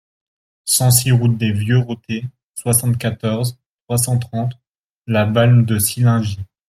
cent six route des Vieux Rotets, soixante-quatorze, trois cent trente, La Balme-de-Sillingy